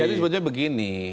jadi sebetulnya begini